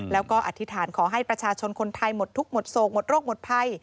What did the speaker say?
แล้วก็อธิษฐานขอให้ประชาชนคนไทยหมดทุกข์หมดโศกหมดโรคหมดภัย